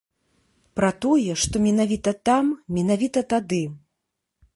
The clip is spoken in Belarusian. Пра тое, што менавіта там, менавіта тады.